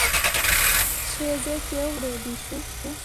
সে যে কেউ হতে পারে বিশু।